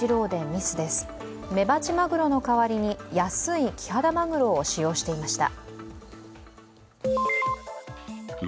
メバチマグロの代わりに、安いキハダマグロを使用していました。